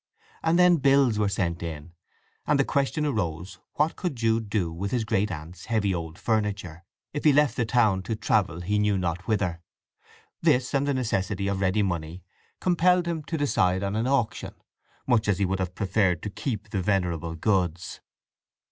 And then bills were sent in, and the question arose, what could Jude do with his great aunt's heavy old furniture, if he left the town to travel he knew not whither? This, and the necessity of ready money, compelled him to decide on an auction, much as he would have preferred to keep the venerable goods.